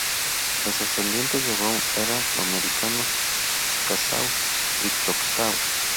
Los ascendientes de Brown era afroamericanos, chickasaw y choctaw.